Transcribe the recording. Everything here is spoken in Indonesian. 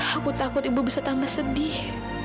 aku takut ibu bisa tambah sedih